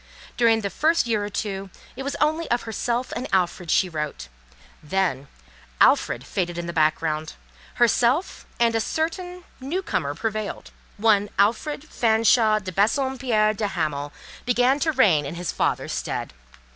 During the first year or two, it was only of herself and Alfred she wrote; then, Alfred faded in the background; herself and a certain, new comer prevailed; one Alfred Fanshawe de Bassompierre de Hamal began to reign in his father's stead.